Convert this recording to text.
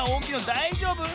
だいじょうぶ？